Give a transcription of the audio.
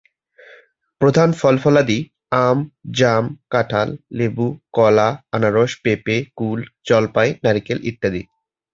প্রধান ফল-ফলাদি আম, জাম, কাঁঠাল, লেবু, কলা, আনারস, পেঁপে, কুল, জলপাই, নারিকেল ইত্যাদি।